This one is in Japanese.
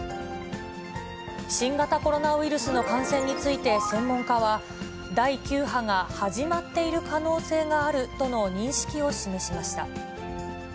新型コロナウイルスの感染について専門家は、第９波が始まっている可能性があるとの認識を示しました。